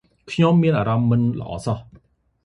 ខ្ញុំមានអារម្មណ៌មិនល្អសោះ ។